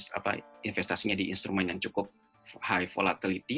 nah kita bisa melakukan investasinya di instrumen yang cukup high volatility